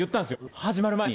始まる前に。